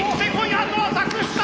あとは託した！